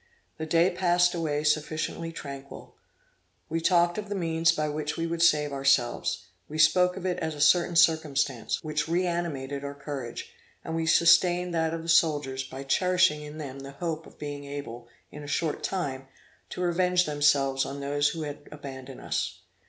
The day passed away sufficiently tranquil. We talked of the means by which we would save ourselves; we spoke of it as a certain circumstance, which reanimated our courage; and we sustained that of the soldiers, by cherishing in them the hope of being able, in a short time, to revenge themselves on those who had abandoned us.